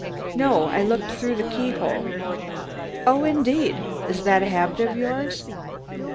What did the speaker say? "No, I looked through the keyhole." "Oh, indeed; is that a habit of yours?"